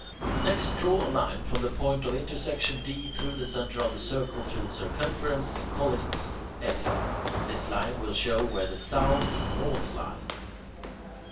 Next draw a line from the point of intersection D through the centre of the circle to the circumference and call it E F. This line will show where the south and north lie.